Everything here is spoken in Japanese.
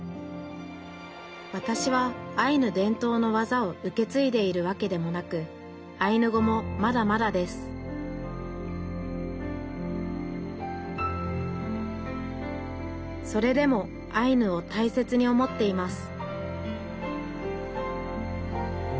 わたしはアイヌ伝統のわざを受け継いでいるわけでもなくアイヌ語もまだまだですそれでもアイヌを大切に思っています